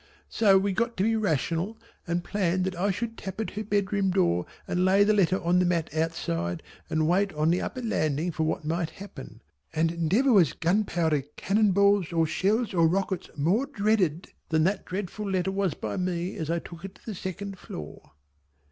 So we got to be rational, and planned that I should tap at her bedroom door and lay the letter on the mat outside and wait on the upper landing for what might happen, and never was gunpowder cannon balls or shells or rockets more dreaded than that dreadful letter was by me as I took it to the second floor.